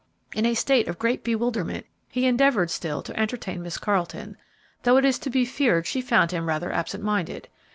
In a state of great bewilderment he endeavored still to entertain Miss Carleton, though it is to be feared she found him rather absent minded.